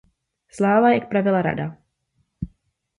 Sláva, jak pravila Rada.